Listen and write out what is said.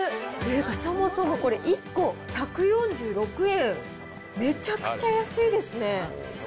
そもそも、これ、１個１４６円、めちゃくちゃ安いですね。